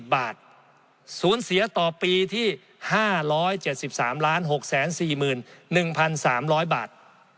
๑๖๒๐บาทศูนย์เสียต่อปีที่๕๗๓๖๔๑๓๐๐บาท